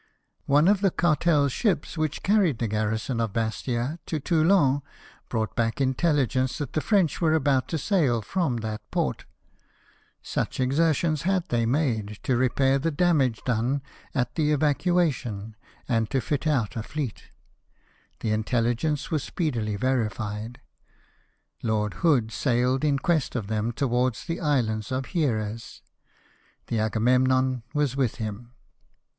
One of the Cartel's ships, which carried the garri son of Bastia to Toulon, brought back intelligence that the French were about to sail from that port — such exertions had they made to repair the damage done at the evacuation, and to fit out a fleet I The intelligence was speedily verified. Lord Hood sailed in quest of them towards the islands of Hieres. The Agamemnon was with him.